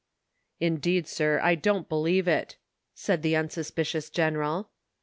"Indeed, sir; but I don't believe it," said the unsuspi cious general.